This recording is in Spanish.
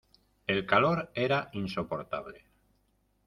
el calor era insoportable.